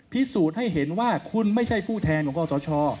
พิสูจน์ให้เห็นว่าคุณไม่ใช่ผู้แทนของกศช